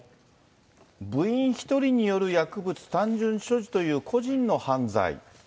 部員１人による薬物単純所持という個人の犯罪。